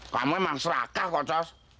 kamu emang serakah kocos